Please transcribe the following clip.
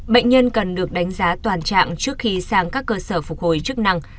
bệnh nhân cần được đánh giá toàn trạng trước khi sang các cơ sở phục hồi chức năng